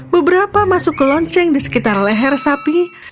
beberapa masuk ke lonceng di sekitar leher sapi